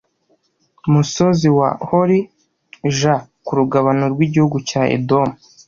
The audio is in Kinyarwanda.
Musozi wa hori j ku rugabano rw igihugu cya edomu